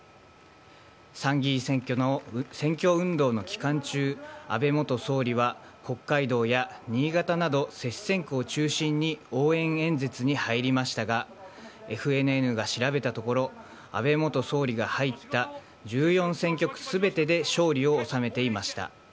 参議院選挙の選挙運動の期間中、安倍元総理は、北海道や新潟など接戦区を中心に応援演説に入りましたが、ＦＮＮが調べたところ、安倍元総理が入った１４選挙区すべてで勝利を収めていました。